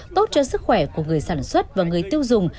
tốt cho sức khỏe của người sản xuất và người tiêu dùng